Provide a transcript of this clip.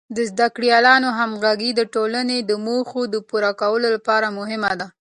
د زده کړیالانو همغږي د ټولنې د موخو د پوره کولو لپاره مهمه ده.